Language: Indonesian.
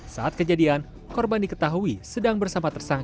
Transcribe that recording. saat kejadian korban diketahui sedang bersama tersangka